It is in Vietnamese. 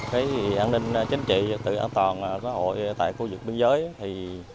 cái an ninh chính trị tự an toàn xã hội tại khu vực biên giới thì